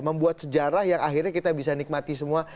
membuat sejarah yang akhirnya kita bisa nikmati semua